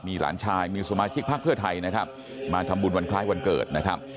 มีหลานชายมีสมาชิกพักเพื่อไทยนะครับมาทำบุญวันคล้ายวันเกิดนะครับ